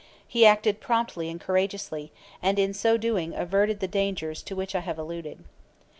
He acted promptly and courageously, and in so doing averted the dangers to which I have alluded.